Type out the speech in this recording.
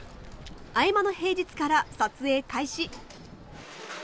合間の平日から撮影開始。